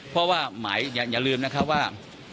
เพราะว่าหมายอย่าลืมนะครับว่า